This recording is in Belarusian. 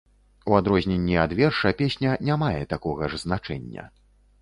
У адрозненні ад верша, песня не мае такога ж значэння.